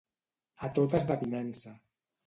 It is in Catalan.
A tota esdevinença.